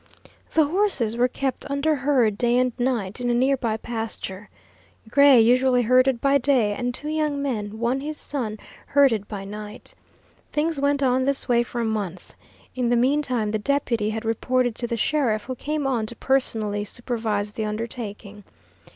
The horses were kept under herd day and night in a near by pasture. Gray usually herded by day, and two young men, one his son, herded by night. Things went on this way for a month. In the mean time the deputy had reported to the sheriff, who came on to personally supervise the undertaking.